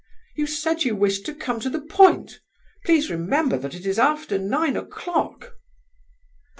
You said you wished to come to the point; please remember that it is after nine o'clock."